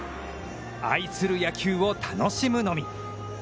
愛する野球を楽しむのみ。